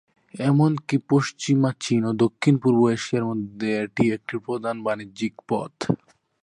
এমনকি, পশ্চিমা চীন ও দক্ষিণ-পূর্ব এশিয়ার মধ্যে এটি একটি প্রধান বাণিজ্যিক পথ।